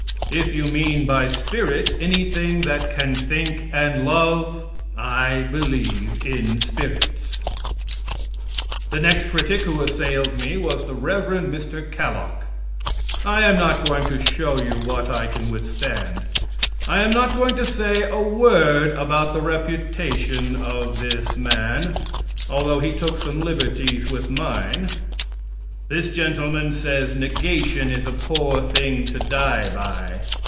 If you mean by spirit anything that can think and love, I believe in spirits. "The next critic who assailed me was the Rev. Mr. Kalloch. I am not going to show you what I can withstand. I am not going to say a word about the reputation of this man, although he took some liberties with mine. This gentleman says negation is a poor thing to die by.